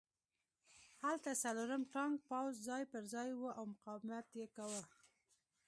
هلته څلورم ټانک پوځ ځای پرځای و او مقاومت یې کاوه